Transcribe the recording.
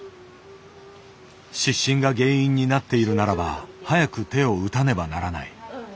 湿疹が原因になっているならば早く手を打たねばならない。